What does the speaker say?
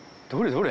どれ？